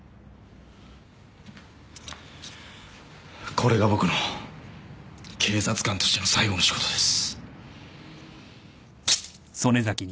これが僕の警察官としての最後の仕事です。